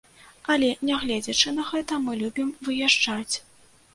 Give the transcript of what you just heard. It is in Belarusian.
Але, нягледзячы на гэта, мы любім выязджаць.